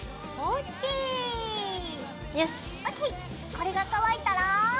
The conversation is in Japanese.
これが乾いたら。